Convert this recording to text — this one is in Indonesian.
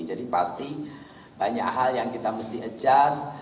jadi pasti banyak hal yang kita harus adjust